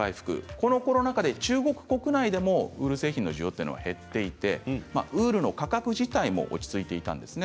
このコロナ禍で中国国内でもウール製品の需要が減っていてウールの価格自体も落ち着いていたんですね。